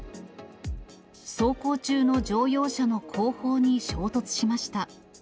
走行中の乗用車の後方に衝突しました。